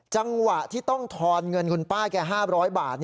จังหวะที่ต้องทอนเงินคุณป้าแก๕๐๐บาท